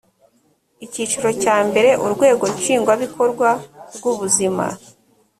icyiciro cya mbere urwego nshingwabikorwa rwubuzima